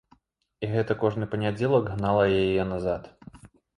І гэта кожны панядзелак гнала яе назад.